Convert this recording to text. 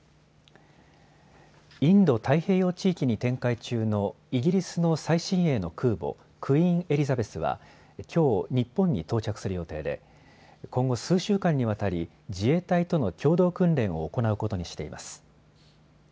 インド太平洋地域に展開中のイギリスの最新鋭の空母、クイーン・エリザベスはきょう日本に到着する予定で今後、数週間にわたり自衛隊との共同訓練を行うことにしています。